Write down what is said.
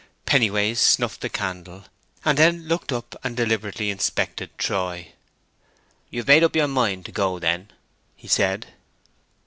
Pennyways snuffed the candle, and then looked up and deliberately inspected Troy. "You've made up your mind to go then?" he said.